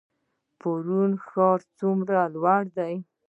پارون ښار څومره لوړ دی؟